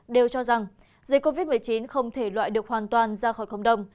đều cho rằng dịch covid một mươi chín không thể loại được hoàn toàn ra khỏi cộng đồng